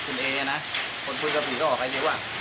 คุณเอนะคนคุยกับผีก็ออกไปดีกว่า